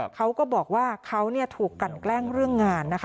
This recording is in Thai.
เขาก็บอกว่าเขาถูกกันแกล้งเรื่องงานนะคะ